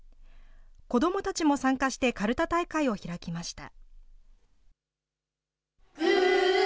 子どもたちも参加してカルタ大会を開きました。